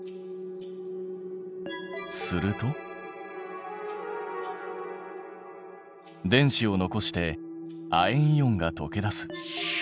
すると電子を残して亜鉛イオンが溶け出す。